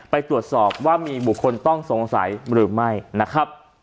ไปตรวจสอบว่ามีบุคคลต้องสงสัยหรือไม่นะครับ